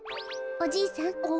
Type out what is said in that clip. おじいさん